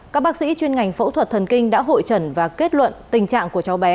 các bác sĩ chuyên ngành phẫu thuật thần kinh đã hội trần và kết luận tình trạng của cháu bé